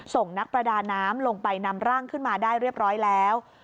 ส่งนักประดาน้ำลงไปนำร่างขึ้นมาได้เรียบร้อยแล้ว